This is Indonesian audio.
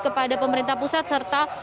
kepada pemerintah pusat serta